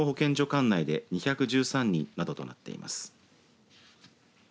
管内で２１３人などとなっています。